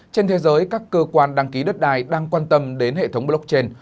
trên thế giới các cơ quan đăng ký đất đai đang quan tâm đến hệ thống blockchain